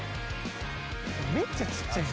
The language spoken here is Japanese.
めっちゃちっちゃい。